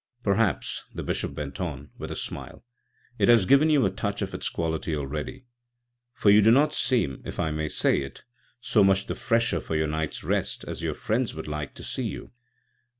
Perhaps," the Bishop went on; with a smile, "it has given you a touch of its quality already, for you do not seem, if I may say it, so much the fresher for your night's rest as your friends would like to see you."